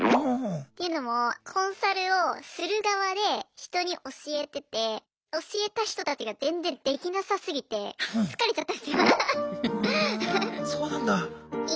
というのもコンサルをする側で人に教えてて教えた人たちが全然できなさすぎて疲れちゃったんですよ。